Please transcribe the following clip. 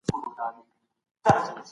ستاسو له مرستې مننه.